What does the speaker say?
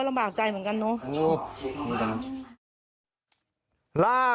ล่าสุดท้าย